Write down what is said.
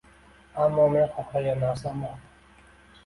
Ammo men xohlagan narsam bor.